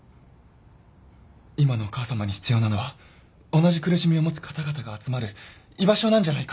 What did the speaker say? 今のお母さまに必要なのは同じ苦しみを持つ方々が集まる居場所なんじゃないかと。